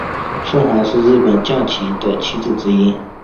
凤凰是日本将棋的棋子之一。